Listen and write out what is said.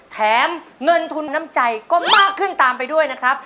แถมเงินทุนน้ำใจก็มากขึ้นตามไปด้วยนะครับ